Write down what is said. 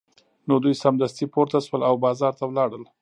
نو دوی سمدستي پورته شول او بازار ته لاړل